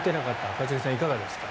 一茂さん、いかがですか。